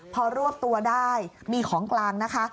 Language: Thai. พอรวบตัวได้มีของกลางนะคะ